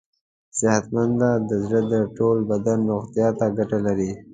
صحتمند زړه د ټول بدن روغتیا ته ګټه لري.